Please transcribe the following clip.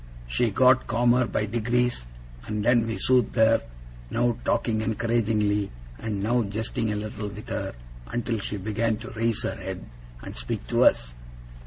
She got calmer by degrees, and then we soothed her; now talking encouragingly, and now jesting a little with her, until she began to raise her head and speak to us.